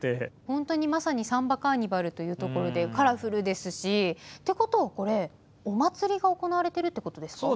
本当に、まさにサンバカーニバルというところでカラフルですしってことは、これ、お祭りが行われてるってことですか？